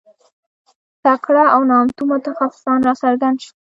تکړه او نامتو متخصصان راڅرګند شول.